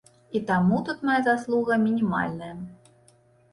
І таму тут мая заслуга мінімальная.